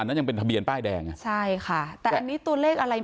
นั้นยังเป็นทะเบียนป้ายแดงอ่ะใช่ค่ะแต่อันนี้ตัวเลขอะไร